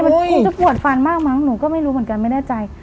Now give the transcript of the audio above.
มันคงจะปวดฟันมากมั้งหนูก็ไม่รู้เหมือนกันไม่แน่ใจ